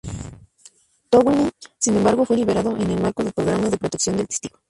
Townley, sin embargo, fue liberado en el marco del programa de protección de testigos.